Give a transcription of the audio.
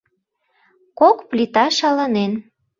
Кок плита шаланен.